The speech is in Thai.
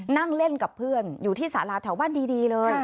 นั่งเล่นกับเพื่อนอยู่ที่สาราแถวบ้านดีเลย